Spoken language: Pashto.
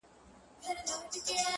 د يو مئين سړي ژړا چي څوک په زړه وچيچي!